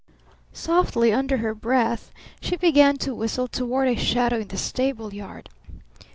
Softly under her breath she began to whistle toward a shadow in the stable yard.